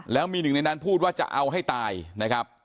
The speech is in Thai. แล้วมีหนึ่งในนั้นพูดว่าจะเอาให้ตายนะครับ